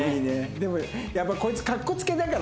でもやっぱこいつ。